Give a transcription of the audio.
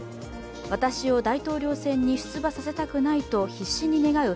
私を大統領選に出馬させたくないと必死に願う